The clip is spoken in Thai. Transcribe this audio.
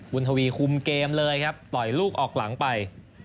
ทวีคุมเกมเลยครับปล่อยลูกออกหลังไป